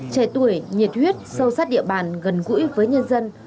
trẻ tuổi nhiệt huyết sâu sát địa bàn gần gũi với nhân dân